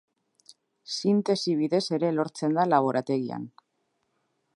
Sintesi bidez ere lortzen da laborategian.